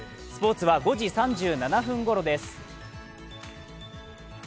スポーツは５時３７分ごろです。